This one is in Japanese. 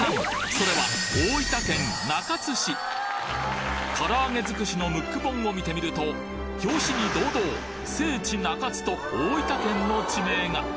それはから揚げづくしのムック本を見てみると表紙に堂々「聖地中津」と大分県の地名が！